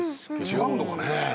違うのかね？